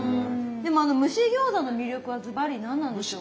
でもあの蒸し餃子の魅力はずばり何なんでしょうか？